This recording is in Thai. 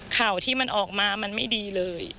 ข่าวที่มันออกมามันไม่ดีเลย